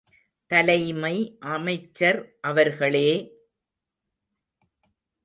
தலைமை அமைச்சர் அவர்களே!.